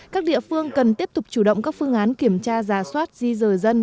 các địa phương cần tiếp tục chủ động các phương án kiểm tra giả soát di rời dân